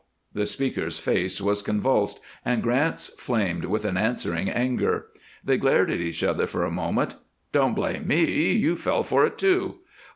_" The speaker's face was convulsed, and Grant's flamed with an answering anger. They glared at each other for a moment. "Don't blame me. You fell for it, too."